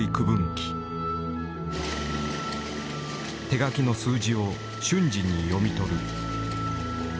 手書きの数字を瞬時に読み取る。